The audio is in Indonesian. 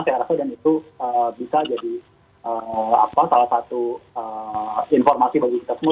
saya rasa dan itu bisa jadi salah satu informasi bagi kita semua